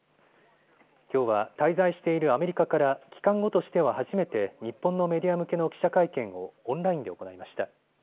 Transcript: きょうは滞在しているアメリカから帰還後としては初めて日本のメディア向けの記者会見をオンラインで行いました。